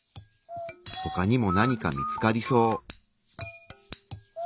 ほかにも何か見つかりそう。